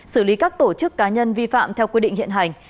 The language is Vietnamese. xử lý các tổ chức cá nhân vi phạm theo quy định hiện hành